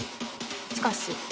しかし。